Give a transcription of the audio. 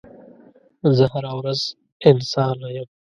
زه هره ورځ انسانه یم